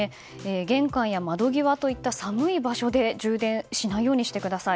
玄関や窓際といった寒い場所で充電しないようにしてください。